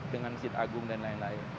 dengan sit agung dan lain lain